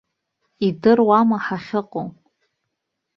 Идыруама хахьыҟоу?